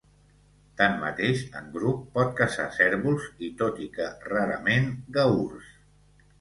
Tanmateix, en grup, pot caçar cérvols i -tot i que rarament- gaurs.